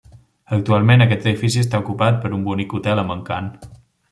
Actualment, aquest edifici està ocupat per un bonic hotel amb encant.